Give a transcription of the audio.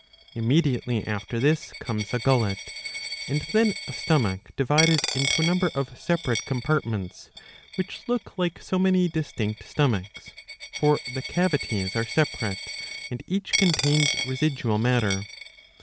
Immediately after this comes a gullet, and then a stomach, divided into a number of separate compartments, which look like so many distinct stomachs ; for the cavities are separate, and each contains residual matter.